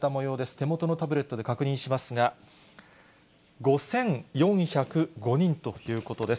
手元のタブレットで確認しますが、５４０５人ということです。